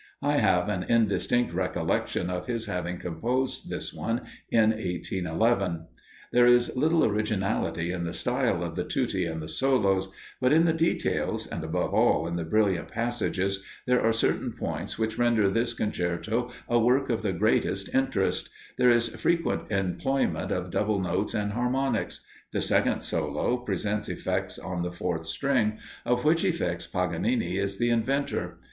I have an indistinct recollection of his having composed this one in 1811. There is little originality in the style of the tutti and the solos; but in the details, and above all, in the brilliant passages, there are certain points which render this concerto a work of the greatest interest; there is frequent employment of double notes and harmonics. The second solo presents effects on the fourth string, of which effects Paganini is the inventor.